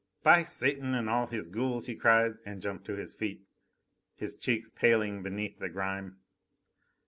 "By Satan and all his ghouls!" he cried, and jumped to his feet, his cheeks paling beneath the grime.